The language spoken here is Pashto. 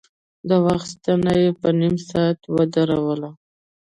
د وخت ستنه يې په نيم ساعت ودروله.